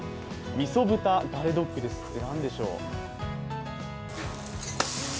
みそ豚ガレドッグって何でしょう。